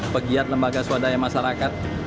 pegiat lembaga swadaya masyarakat